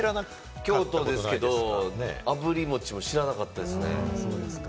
京都ですけれども、あぶり餅も知らなかったですね。